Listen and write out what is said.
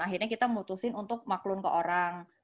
akhirnya kita memutuskan untuk maklun ke orang